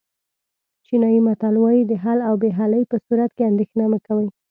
چینایي متل وایي د حل او بې حلۍ په صورت کې اندېښنه مه کوئ.